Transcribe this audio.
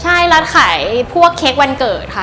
ใช่ร้านขายพวกเค้กวันเกิดค่ะ